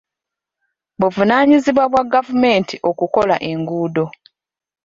Buvunaanyizibwa bwa gavumenti okukola enguudo.